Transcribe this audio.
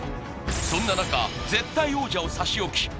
そんな中絶対王者を差し置き